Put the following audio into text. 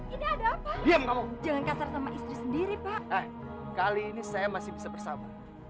ini ada apa jangan kasar sama istri sendiri pak kali ini saya masih bisa bersama